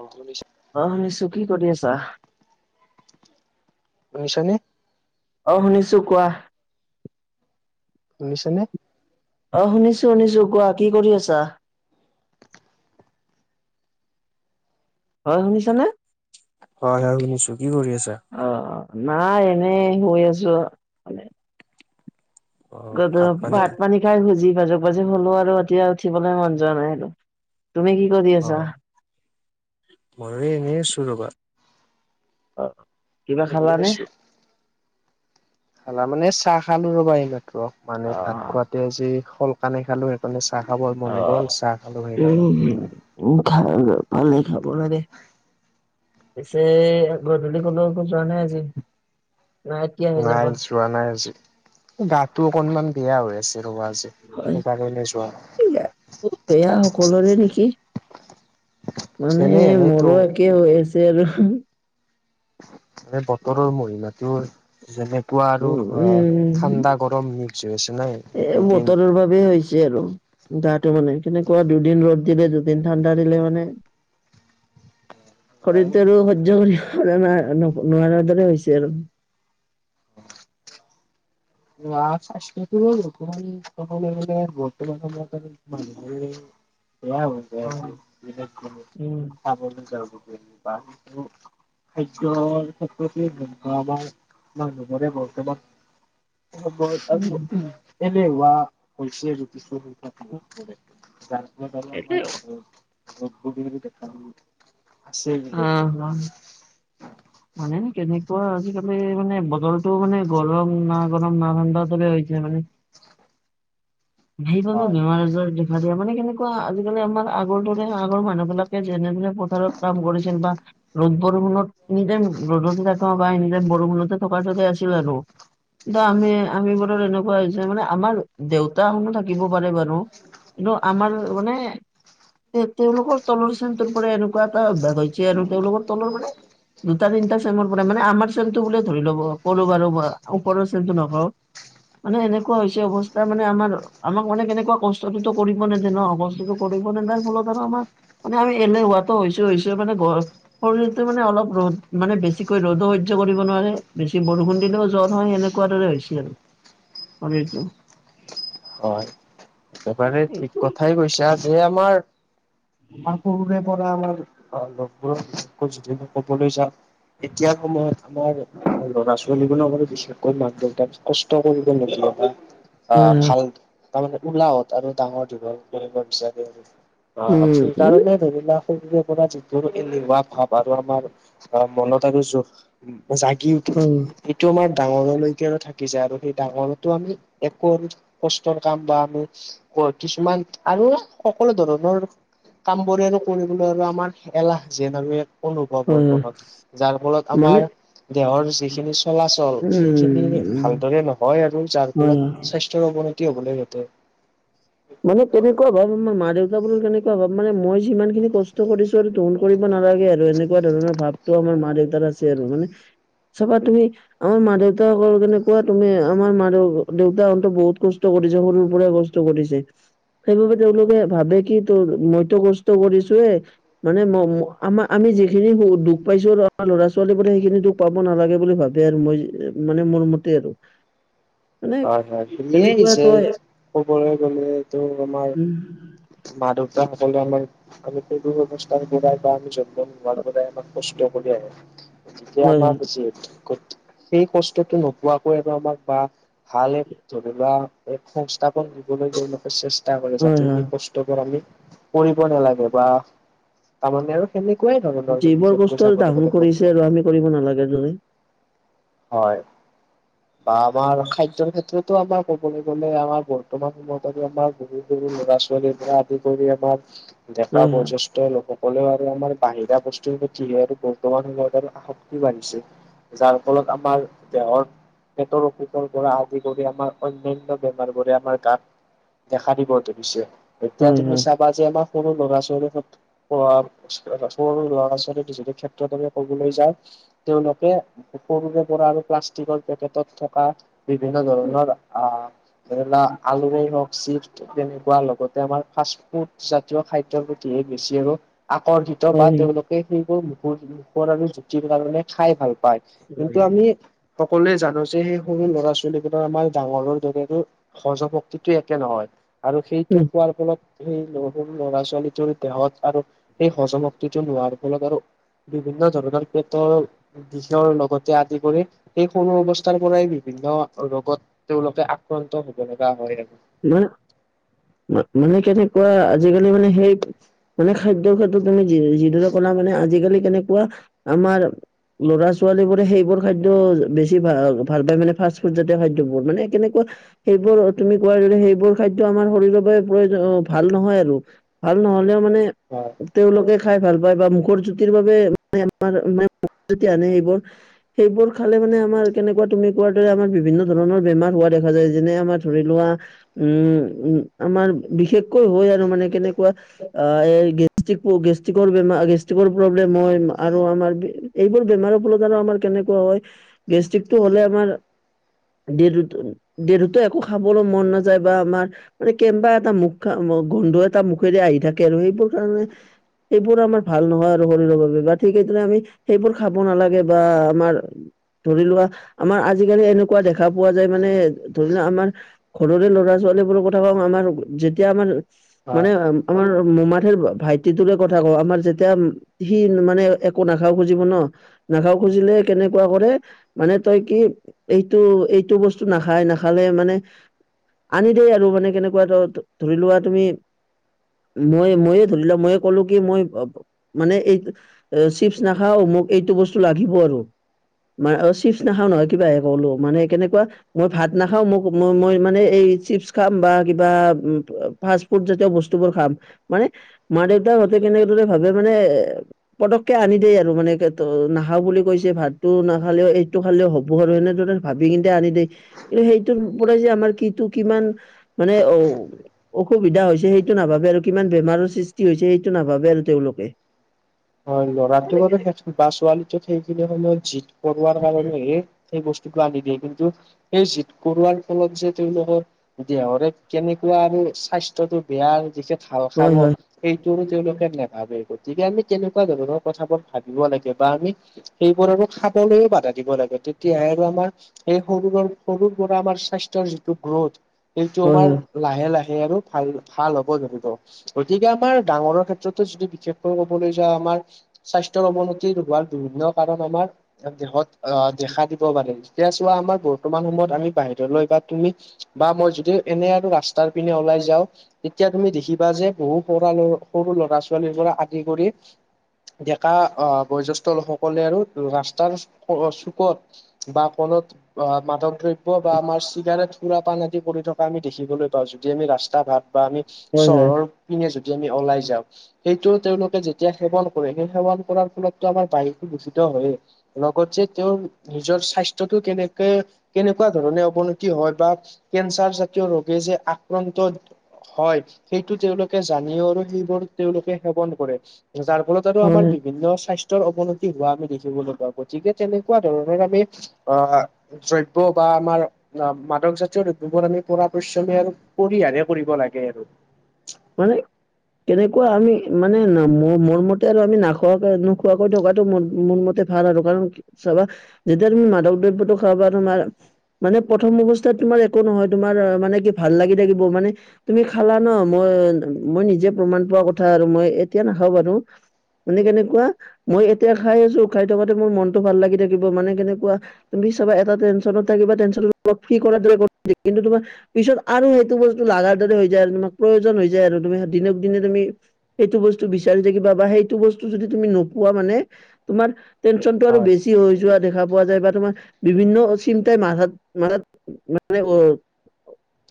অহ শুনিছা? অহ শুনিছো, কি কৰি আছা? শুনিছানে? অ শুনিছো কোৱা। শুনিছানে? অ শুনিছো শুনিছো কোৱা, কি কৰি আছা? হয় শুনিছানে? হয় হয় শুনিছো, কি কৰি আছা? অঁ নাই এনেই শুই আছো। গ ধৰক ভাত পানী খায় ভুজি বাজুক বাজি হলোঁ আৰু এতিয়া উঠিবলে মন যোৱা নাই আৰু। তুমি কি কৰি আছা? মইয়ো এনে আছোঁ ৰবা। অ। কিবা এনেই খালানে আছো, খালা মানে চাহ খালো ৰবা এইমাত্ৰ। মানে অ ভাত খোৱাতে আজি সোনকালে খালো সেইকাৰণে চাহ খাবৰ অ মন গ'ল চাহ খালো উম সেইকাৰণে। উম ভাল, ভালে খাব লাগে। পিছে গধূলি কলৈকো যোৱা নাই আজি নে এতিয়াহে নাই যাবা? যোৱা নাই আজি, গাটো অকনমান বেয়া হৈ আছে ৰ'ব আজি। হয় সেইকাৰণে যোৱা নাই। বেয়া বেয়া সকলোৰে নেকি? মানে এনে এনেইতো মোৰো একে হৈ আছে আৰু! মানে বতৰৰ মহিমাটোৰ যেনেকুৱা আৰু উম অ উম ঠাণ্ডা গৰম মিক্স হৈ আছে না এইকেইদিন। চবেই হৈছে আৰু গাটো মানে কেনেকুৱা দুদিন ৰ'দ দিলে দুদিন ঠাণ্ডা দিলে মানে, [inaudible] শৰীৰটো আৰু শৈয্য কৰিব পৰা ন নোৱাৰাৰ দৰে হৈছে আৰু! [inaudible] ধৰা স্বাস্থ্যটো বৰ্তমান [unintelligible] বেয়া হৈ হয়, যায় আছে উম দিনক দিনে [unintelligible] খাদ্যৰ ক্ষেত্ৰতে হওক বা আমাৰ মানুহবোৰে বৰ্তমান [unintelligible] এলেহুৱা হৈছে আৰু কিছু সংখ্যক একে মানুহবোৰে। [unintelligible] আছে অঁ হুম। মানে নে কেনেকুৱা আজিকালি মানে বতৰটো মানে গৰম না গৰম না ঠাণ্ডা দৰে হৈছে মানে। [unintelligible] সেইবাবে হয় বেমাৰ আজাৰ ধেৰ, মানে মানে কেনেকুৱা আজিকালি আমাৰ আগৰ দৰে আগৰ মানুহ বিলাকে যেনে দৰে পথাৰত, কাম কৰিছিল বা ৰ'দ বৰষুণত এনিটাইম ৰ'দতে থকা বা এনি টাইম বৰষুণতে থকা দৰে আছিল আৰু, বা আমি আমি বোৰৰ এনেকুৱা হৈছে মানে আমাৰ দেউতা হতে থাকিব পাৰে বাৰু, কিন্তু আমাৰ মানে তেওঁলোকৰ তলৰ চামটোৰ পৰা এনেকুৱা, এ বেয়ানো তেওঁলোকৰ তলৰ মানে দুটা তিনিটা চেমৰ পৰা মানে আমাৰ চেমটো বুলিয়ে ধৰি লব কৰো বাৰু ওপৰৰ চেমটো নকৰোঁ মানে এনেকুৱা হৈছে অৱস্থা মানে আমাৰ আমাক মানে কেনেকুৱা কষ্টটোতো কৰিব নেজানো অৱস্থাটো। কৰিব তাৰ ফলত আৰু আমাৰ মানে আমি এলেহুৱাতো হৈছো হৈছো মানে ঘৰৰ শৰীৰটো মানে অলপ ৰ'দ মানে বেছিকৈ ৰ'দো সহ্য কৰিব নোৱাৰে বেছি বৰষুণ দিলেও জ্বৰ হয় সেনেকুৱা কোৱাৰ দৰে হৈছিল শৰীৰটো। হয়। একেবাৰে ঠিক কথাই কৈছা যে আমাৰ আমাৰ সৰুৰে পৰা আমাৰ অ লগৰবোৰ যদিই কবলৈ যাওঁ এতিয়া সময়ত আমাৰ ল'ৰা ছোৱালীবোৰক বিশেষকৈ মাক দেউতাক কষ্ট কৰিব নিদিয়ে তাক অ হয় ভাল তাৰমানে উওলাহত আৰু ডাঙৰ দীঘল কৰিব বিচাৰে আৰু অ সেইকাৰণে ধৰি লোৱা সহ্য কৰিব পৰা যিটো এলেহুৱা ভাৱ আৰু আমাৰ অ মনত আৰু জো জাগি উম এইটো আমাৰ ডাঙৰলৈকে আৰু থাকি যায় আৰু সেই ডাঙৰো আমি একো আৰু কষ্টৰ কাম বা আমি কিছুমান আৰু সকলো ধৰণৰ কাম কৰি আৰু কৰিবলৈ আৰু আমাৰ এলাহ যেন আৰু ইয়াত অনুভৱ হয় উম মনত যাৰ ফলত মানে আমাৰ দেহৰ যিখিনি চলাচল লগ হয় হয় হয় মানে সেইখিনি উম ভালদৰে নহয় আৰু যাৰ হয় হয় ফলত স্বাস্থ্যৰ অৱনতি হবলৈ ঘটে মানে কেনেকুৱা ভাব আমাৰ মা দেউতা বোৰো কেনেকুৱা ভাব মানে মই যিমান খিনি কষ্ট কৰিছো আৰু ত কৰিব নালাগে আৰু এনেকুৱা ধৰণৰ ভাৱটো আমাৰ মা দেউতাৰ আছে আৰু মানে চাবা তুমি আমাৰ মা দেউতাসকলৰ কেনে কোৱা তুমি আমাৰ মা দেউতা দেউতাহতে বহুত কষ্ট কৰিছে সৰুৰ পৰাই ক কৰিছে সেইবাবে তেওঁলোকে ভাবে কি তোৰ মইতো কষ্ট কৰিছোয়ে মানে ম আমাৰ আমি যিখিনি দুখ পাইছো ল'ৰা ছোৱালীৰ পৰা সেইখিনি দুখ পাব নালাগে বুলি ভাবে আৰু মই মানে মোৰ মতে আৰু মানে হয় হয় খিনিয়ে এনেকুৱা আহিছে তই ক'বলৈ গ'লে তো আমাৰ উম মা দেউতাসকলে আমাক আমি সেইটো ব্যৱস্থাৰ বাই বা আমি জেগা নোহাক বাই আমাক কষ্ট কৰি আহো যেতিয়া হয় হয় আমাক যি সেই কষ্টটো নোপোৱাকৈ আৰু আমাক বা ভাল এক ধৰি লোৱা এক সংস্থাপন দিবলৈ তেওঁলোকে চেষ্টা কৰি হয় যাতে হয় সেই ক আমি কৰিব নালাগে বা তাৰমানে আৰু সেনেকুৱাই ধৰণৰ যিবোৰ কষ্ট বিশষকৈ চাবলৈ দাহন গ'লে কৰিছে আৰু বৰ্তমান আমি কৰিব নালাগে যদি হয় বা আমাৰ খাদ্যৰ ক্ষেত্ৰতো আমাৰ ক'বলৈ গ'লে আমাৰ বৰ্তমান সময়ত আমাৰ সৰু সৰু ল'ৰা ছোৱালী আদি কৰি আমাৰ ডেকা হয় বয়জেষ্ঠ লোকসকলেও আৰু আমাৰ বাহিৰা বস্তুৰ কিহে আৰু বৰ্তমান সময়ত আৰু আসক্তি বাঢ়িছে। যাৰ ফলত আমাৰ দেহৰ পেটৰ অসুখৰ পৰা আদি কৰি আমাৰ অন্যান্য বেমাৰবোৰে আমাৰ গাত দেখা দিব ধুৰিছে। এতিয়া হয় তুমি হয় চাবা যে আমাৰ সৰু ল'ৰা-ছোৱালীৰ [unintelligible] সৰু ল'ৰা-ছোৱালীক যদি ক্ষেত্ৰত ক'বলৈ যাওঁ তেওঁলোকে সৰুৰে পৰা আৰু প্লাষ্টিকৰ পেকেটত থকা বিভিন্ন ধৰণৰ আহ এইবিলাক আলুৰেই হওক চিপ তেনেকুৱা লগতে আমাৰ ফাষ্ট ফুড জাতীয় খাদ্যৰ প্ৰতিহে বেছি আৰু আকৰ্ষিত বা হয় হয় হয়। তেওঁলোকে সেইবোৰ মুখ মুখৰ আৰু জুতিৰ কাৰণে খাই ভাল পায়। কিন্তু আমি সকলোৱে জানো যে সেই সৰু ল'ৰা-ছোৱালীবোৰৰ আমাৰ ডাঙৰৰ দৰেৰো হজম শক্তিটো একে নহয়। আৰু সেইটো খোৱাৰ ফলত সেই সৰু ল'ৰা-ছোৱালীটোৰ দেহত আৰু সেই সজম শক্তিটো নোহোৱাৰ ফলত আৰু বিভিন্ন ধৰণৰ ক্ষেত্ৰত বিষৰ লগত আদি কৰি সেই সৰু অৱস্থাৰ পৰাই বিভিন্ন ৰোগত তেওঁলোকে আক্ৰান্ত হ'ব লগা হয় আৰু। মানে, মা-মানে কেনেকুৱা আজিকালি মানে সেই মানে খাদ্যৰ ক্ষেত্ৰত তুমি যি যিদৰে কলা মানে আজিকালি কেনেকুৱা আমাৰ ল'ৰা-ছোৱালীবোৰে সেইবোৰ খাদ্য বেছি ভাল ভাল পায় মানে ফাষ্ট ফুড জাতীয় খাদ্যবোৰ মানে কেনেকুৱা সেইবোৰ তুমি কোৱাৰ দৰে সেইবোৰ খাদ্য আমাৰ শৰীৰৰ বাবে প্ৰয়ো ভাল নহয় আৰু ভাল নহ'লেও মানে হয়। তেওঁলোকে খাই ভাল পায় বা মুখৰ জুতিৰ বাবে [unintelligible] আনে সেইবোৰ সেইবোৰ খালে মানে আমাৰ কেনেকুৱা তুমি কোৱাৰ দৰে আমাৰ বিভিন্ন ধৰণৰ বেমাৰ হোৱা দেখা যায়। যেনে আমাৰ ধৰি লোৱা উম উ আমাৰ বিশেষকৈ হয় আৰু মানে কেনেকুৱা আহ এই গেষ্টিক গেষ্টিকৰ বেমাৰ গেষ্টিকৰ প্ৰব্লেম হয় আৰু আমাৰ এইবোৰ বেমাৰৰ ফলতাৰ আমাৰ কেনেকুৱা হয়। গেষ্টিকটো হ'লে আমাৰ ডৰুত ডেৰুতো একো খাবলৈ মন নাযায় বা আমাৰ মানে কেনবা এটা মুখ খা গন্ধ এটা মুখেৰে আহি থাকে আৰু সেইবোৰ কাৰণে এইবোৰ আমাৰ ভাল নহয় আৰু শৰীৰৰ বাবে। বা ঠিক সেইদৰে আমি সেইবোৰ খাব নালাগে বা আমাৰ ধৰি লোৱা আমাৰ আজিকালি এনেকুৱা দেখা পোৱা যায় মানে ধৰি লোৱা আমাৰ ঘৰৰে ল'ৰা-ছোৱালী বোৰৰ কথা কওঁ আমাৰ যেতিয়া আমাৰ হয় মানে আমাৰ মমাঠেৰ ভাইটিটোৰে কথা কওঁ আমাৰ যেতিয়া সি মানে একো নাখাও খুজিব ন, নাখাওঁ খুজিলে কেনেকুৱা কৰে মানে তই কি, এইটো এইটো বস্তু নাখাই নাখালে মানে আনি দেই আৰু মানে কেনেকুৱাতো ধৰি লোৱা তুমি মই ময়ে ধৰিলো মইয়ে ক'লো কি মই মানে এই চিপচ নাখাও মোক এইটো বস্তু লাগিব আৰু। মান অ চিপছ নাখাও নহয় কিবে ক'লো, মানে কেনেকুৱা মই ভাত নাখাওঁ মোকই মই-মই মানে এই চিপচ খাম বা কিবা ফা ফুড জাতীয় বস্তুবোৰ খাম। মানে মা দেউতা সতে কেনেকদৰে ভাবে মানে পটকে আনি দেই আৰু মানে নাখাও বুলি কৈছে ভাতটো নাখালেও এইটো খালেও হ'ব আৰু এনেদৰে ভাবি কিন্তু আনি দেই কিন্তু সেইটোৰ পৰাই যে আমাৰ কিটো কিমান মানে অ অসুবিধা হৈছে সেইটো নাভাবে আৰু কিমান বেমাৰৰ সৃষ্টি হৈছে সেইটো নাভাবে আৰু তেওঁলোকে। হয় ল'ৰাটোক বা ছোৱালীটোক সেইখিনি সময়ত জিত পোৱাৰ কাৰণে সেই বস্তু আনি দিয়ে কিন্তু সেই জদ কৰোৱাৰ ফলত যে তেওঁলোকৰ দেহৰে কেনেকুৱা আৰু স্বাস্থ্য তো বেয়া দিশেত খা খাব হয় হয় এইটোৰো তেওঁলোকে নাভাবে গতিকে আমি তেনেকুৱা ধৰণৰ কথাবোৰ ভাবিব লাগে বা আমি সেইবোৰ আৰু খাবলৈয়ও বাধা দিব লাগে তেতিয়াই আৰু আমাৰ সেই সৰুৰ সৰুৰ পৰা আমাৰ স্বাস্থ্যৰ যিটো গ্ৰোথ সেইটো হয় আমাৰ হয় লাহে লাহে আৰু ভাল ভাল হ'ব ধৰিব গতিকে আমাৰ ডাঙৰৰ ক্ষেত্ৰতো যদি বিশেষকৈ লৈ যা আমাৰ স্বাস্থ্যৰ অৱনতি হোৱাৰ বিভিন্ন কাৰণ আমাৰ দেহত আহ দেখা দিব পাৰে যেতিয়া চোৱা আমাৰ বৰ্তমান সময়ত আমি বাহিৰলৈ বা তুমি বা মই যদি এনে আৰু ৰাস্তাৰ পিনে ওলাই যাওঁ তেতিয়া তুমি দেখিবা যে বহু সৰা সৰু ল'ৰা ছোৱালীৰ পৰা আদি কৰি ডেকা আহ বয়োজ্ষ্ঠ লোকসকলে আৰু ৰাস্তাৰ চুকত বা কোনত অ মাদক দ্ৰব্য বা আমাৰ চিগাৰেট সুৰা পাণ আদি পৰি থকা আমি দেখিবলৈ পাওঁ যদি আমি ৰাস্তা ঘাট বা আমি হয় হয় চহৰৰ পিনে যদি আমি ওলাই যাওঁ সেইটো তেওঁলোকে যেতিয়া সেৱন কৰে সেই সেৱন কৰাৰ ফলতটো আমাৰ বাহটো দূষিত হয়েই লগতে তেওঁৰ নিজৰ স্বাস্থ্যতো কেনেকে কেনেকুৱা ধৰণে অৱনতি হয় বা কেঞ্চাৰ জাতীয় ৰোগে যে আক্ৰান্ত হয় সেইটো তেওঁলোকে জানিও আৰু সেইবোৰ তেওঁলোকে সেৱন কৰে যাৰ ফলত আৰু হয় আমাৰ হয় বিভিন্ন স্বাস্থ অৱনতি হোৱা আমি দেখিবলৈ পাওঁ গতিকে তেনেকুৱা ধৰণৰ আমি আহ দ্ৰব্য বা আমাৰ অ, মাদক জাতীয় পবোৰ আমি পৰাপশ্ৰমে আৰু পৰিহাৰে কৰিব লাগে আৰু মানে কেনেকুৱা আমি মানে মোৰ মতে আৰু আমি নাখোৱাকৈ - নোখোৱাকৈ থকাতটো ম মোৰ মতে ভাল আৰু কাৰণ চাবা যেতিয়া তুমি মাদক দ্ৰব্যতটো খাবা তোমাৰ মানে প্ৰথম অৱস্থাত তোমাৰ একো নহয় তোমাৰ মানে কি ভাল লাগি থাকিব মানে তুমি খালা ন মই - মই নিজে প্ৰমাণ পোৱা কথা আৰু মই এতিয়া নাখাওঁ ব আৰু মানে কেনেকুৱা মই এতিয়া খাই আছো খাই থকাতে মোৰ মনতটো ভাল লাগি থাকিব মানে কেনেকুৱা তুমি চবা এটা টেনচনত থাকিবা টেনন ফ্ৰী কিন্তু তোমাৰ পিছত আৰু সেইটো বস্তু ল লগাৰ দৰে হৈ যায় আৰু তোমাক প্ৰয়োজন হৈ যায় আৰু তুমি দিনক দিনে তুমি সেইটো বস্তু বিচাৰি থাকিবা বা সেইটো বস্তু যদি তুমি নোপোৱা মানে তোমাৰ টেনশ্যনটো আৰু হয় বেছি হৈ যোৱা দেখা পোৱা যায় বা তোমাৰ বিভিন্ন চিন্তাই মাথাত - মাথাত মানে উম,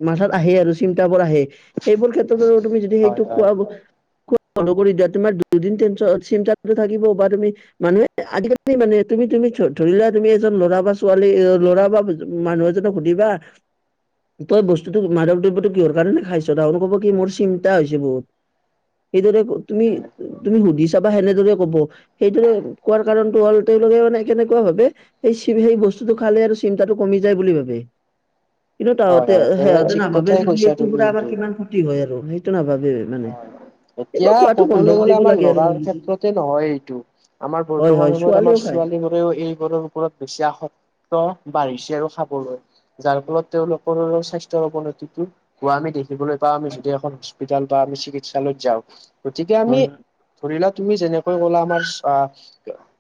মাথাত আহে আৰু চিন্তা বোৰ আহে সেইবোৰ ক্ষেত্ৰতো তুমি যদি হয় সেইটো হয় খুৱাব কু বন্ধ কৰি দিয়া তোমাৰ দুদিন চিন্তা থাকিব বা তুমি মানুহে আজিকালি মানে তুমি - তুমি ধৰি লোৱা তুমি এজন ল'ৰা বা ছোৱালী ল'ৰা বা মানুহ এজনক সুধিবা তই বস্তুতটো মাদক দ্ৰবতো কিহৰ কাৰণে খাইছ ত ক'ব কি মোৰ চিন্তা হৈছে বহুত সেইদৰে তুমি - তুমি সুধি ছাবা সেনেদৰে কব সেইটোৰে কোৱাৰ কাৰণটো হ'ল তেওঁলোকে মানে কেনেকুৱা ভাবে সে সেই বস্তুটো খালে আৰু চিন্তাটো কমি যায় বুলি ভাবে কিন্তু হয় তাহতে হয় একেবাৰে সিহতে ঠিক নাভাবে কথাই যদি কৈছা এইটো পোৰা তুমি আমাৰ কিমান ক্ষতি হয় আৰু সেইটো নাভাবে মানে হয়। এইবোৰ এতিয়া খোৱাটো বন্ধ কবলৈ গ'লে কৰিব আমাৰ লাগে লৰাৰ আৰু ক্ষেত্ৰতে নহয় এইটো আমাৰ হয় বৰ্তমান হয় সময়ত আমাৰ ছোৱালীও খায় ছোৱালী এইবোৰৰ ওপৰত বেছি আসক্ত বাঢ়িছে আৰু খাবলৈ। যাৰ ফলত তেওঁলোকৰো স্বাস্থ্যৰ অৱনতিটো কোৱা আমি দেখিবলৈ পাও আমি যদি এখন হস্পিতাল বা আমি চিকিৎসা লয়ত যাও গতিকে আমি হয় ধৰি লক তুমি যেনেকৈ ক'লা আমাৰ অ',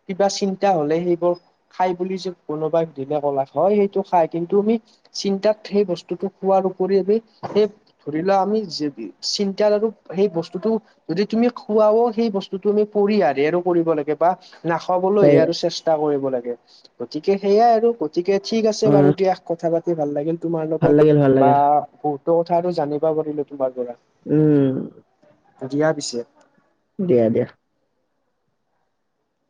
কিবা চিন্তা হ'লে সেইবোৰ খাই বুলি যে কোনোবাক দিলে ক'লা হয় সেইটো খাই কিন্তু আমি চিন্তাত সেই বস্তুটো খোৱাৰ উপৰি আমি সেই ধৰি লোৱা আমি য চিন্তাৰ আৰু সেই বস্তুটো যদি তুমি খোৱাও সেই বস্তুটো আমি পৰিহাৰ হে আৰু কৰিব লাগে বা নাখাবলৈহে হয় আৰু চেষ্টা কৰিব লাগে, গতিকে সেইয়াই আৰু গতিকে ঠিক অ আছে বাৰু দিয়া। কথা পাতি ভাল লাগিল তোমাৰ ভাল লাগিল ভাল লগত বা লাগিল বহুতো কথা আৰু জানিবা পাৰিলো তোমাৰ পৰা। উম। দিয়া পিছে। দিয়া দিয়া।